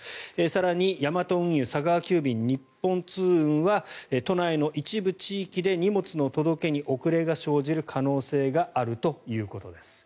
更にヤマト運輸、佐川急便日本通運は都内の一部地域で荷物の届けに遅れが生じる可能性があるということです。